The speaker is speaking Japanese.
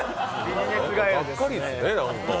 がっかりですね、なんか。